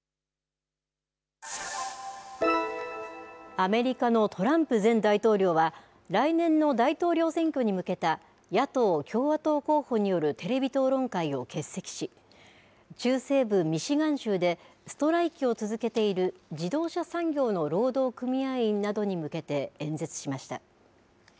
アメリカのトランプ前大統領は来年の大統領選挙に向けた野党・共和党候補によるテレビ討論会を欠席し中西部、ミシガン州でストライキを続けている自動車産業の労働組合員などに向けて演説しました。